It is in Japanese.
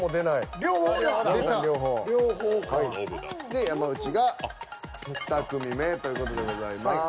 で山内が２組目という事でございます。